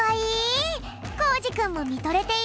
コージくんもみとれているね。